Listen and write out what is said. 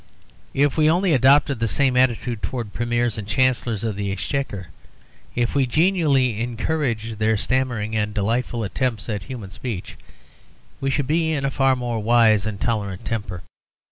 If we only adopted the same attitude towards Premiers and Chancellors of the Exchequer, if we genially encouraged their stammering and delightful attempts at human speech, we should be in a far more wise and tolerant temper.